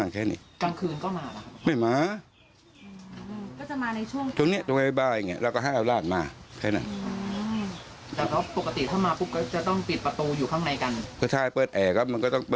แต่รอดแค่นั้นเอง